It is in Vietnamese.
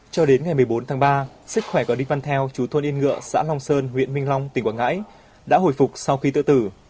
cho đến ngày một mươi bốn tháng ba sức khỏe của đinh văn theo chú thôn yên ngựa xã long sơn huyện minh long tỉnh quảng ngãi đã hồi phục sau khi tự tử